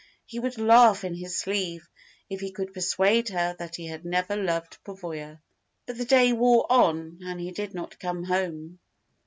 He would laugh in his sleeve if he could persuade her that he had never loved Pavoya. But the day wore on, and he did not come home.